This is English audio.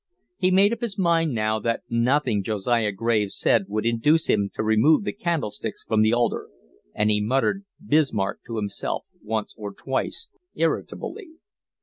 He made up his mind now that nothing Josiah Graves said would induce him to remove the candlesticks from the altar, and he muttered Bismarck to himself once or twice irritably.